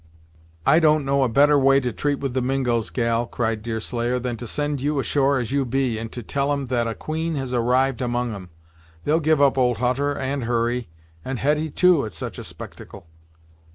"I don't know a better way to treat with the Mingos, gal," cried Deerslayer, "than to send you ashore as you be, and to tell 'em that a queen has arrived among 'em! They'll give up old Hutter, and Hurry, and Hetty, too, at such a spectacle!"